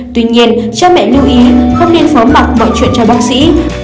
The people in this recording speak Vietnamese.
tuy nhiên cha mẹ lưu ý không nên phó mặt mọi chuyện cho bác sĩ